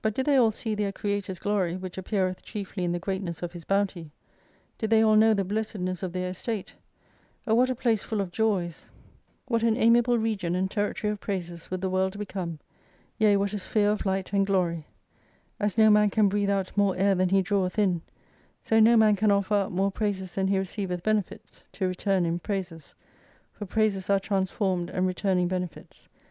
But did they all see their Creator's glory, which appeareth chiefly in the greatness of His bounty ; did they all know the blessedness of their estate, O what a place full of joys, H7 what an amiable region and territory of praises would the world become ; yea, what a sphere of light and glory I As no man can breathe out more air than he draweth in : so no man can offer up more praises than he receiveth benefits, to return in praises. For praises arc transformed and returning benefits.